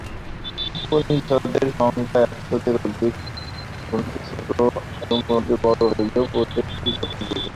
উপনিষদের সংখ্যা একশতেরও অধিক, কোনটি ছোট এবং কোনটি বড় হইলেও প্রত্যেকটিই স্বতন্ত্র গ্রন্থ।